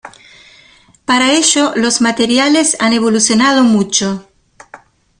Para ello los materiales han evolucionado mucho.